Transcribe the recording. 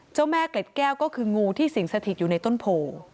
เจ้าแม่เกล็ดแก้วก็คืองูที่สิงสถิตอยู่ในต้นโพ